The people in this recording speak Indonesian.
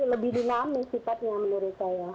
lebih dinamis sifatnya menurut saya